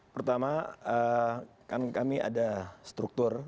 pertama kami ada struktur